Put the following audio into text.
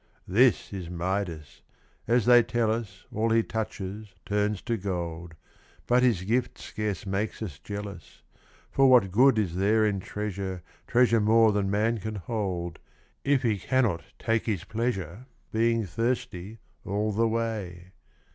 This is Midas : as they tell us, All he touches turns to gold, But his gift scarce makes us jealous ; For what good is there in treasure. Treasure more than man can hold. If he cannot take his pleasure, Being thirsty all the way